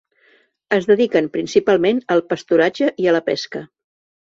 Es dediquen principalment al pasturatge i a la pesca.